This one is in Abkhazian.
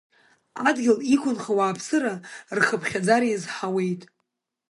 Адгьыл иқәынхо ауааԥсыра рхыԥхьаӡара иазҳауеит.